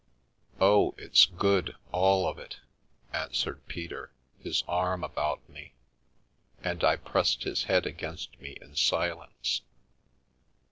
"Oh, it's good, all of it," answered Peter, his arm about me, and I pressed his head against me in silence.